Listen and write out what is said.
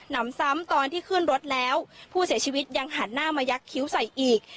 นำซ้ำตอนที่ขึ้นรถแล้วผู้เสียชีวิตยังหันหน้ามายักษิ้วใส่อีก